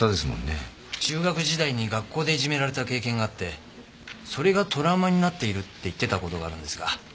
中学時代に学校でいじめられた経験があってそれがトラウマになっているって言ってたことがあるんですが。